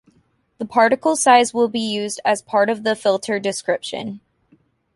The particle size will be used as part of the filter description.